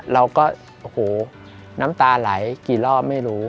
เราก็โอ้โหน้ำตาไหลกี่รอบไม่รู้